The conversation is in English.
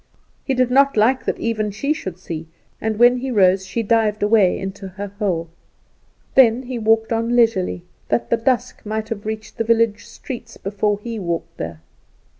He did not like that even she should see, and when he rose she dived away into her hole. Then he walked on leisurely, that the dusk might have reached the village streets before he walked there.